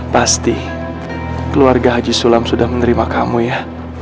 pasti keluarga haji sulam sudah menerima kamu ya